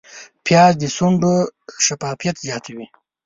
پیاز د شونډو شفافیت زیاتوي